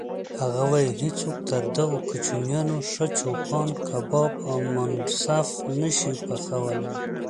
هغه وایي: هیڅوک تر دغو کوچیانو ښه چوپان کباب او منسف نه شي پخولی.